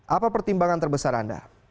apa pertimbangan terbesar anda